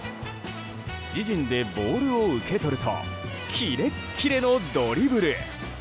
自陣でボールを受け取るとキレッキレのドリブル！